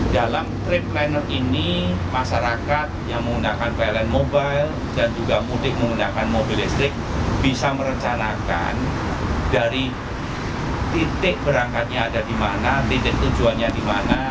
dalam trade planner ini masyarakat yang menggunakan pln mobile dan juga mudik menggunakan mobil listrik bisa merencanakan dari titik berangkatnya ada di mana titik tujuannya di mana